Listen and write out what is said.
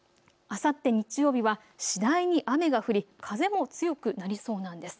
あさって日曜日は次第に雨が降り風も強くなりそうなんです。